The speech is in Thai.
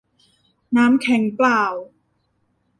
น้ำแข็งเปล่า